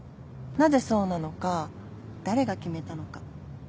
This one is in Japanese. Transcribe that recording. なぜそうなのか誰が決めたのか